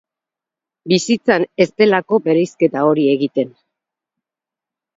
Bizitzan ez delako bereizketa hori egiten.